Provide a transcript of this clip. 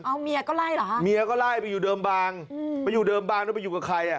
เอาเมียก็ไล่เหรอฮะเมียก็ไล่ไปอยู่เดิมบางอืมไปอยู่เดิมบางแล้วไปอยู่กับใครอ่ะ